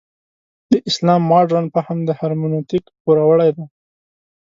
د اسلام مډرن فهم د هرمنوتیک پوروړی دی.